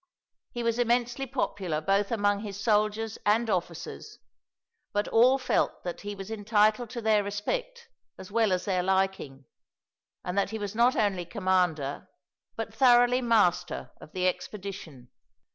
He was immensely popular both among his soldiers and officers, but all felt that he was entitled to their respect as well as their liking, and that he was not only commander, but thoroughly master, of the expedition.